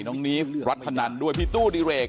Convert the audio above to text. น้องนีฟรัชทนันด้วยพิตู้ดิเหรค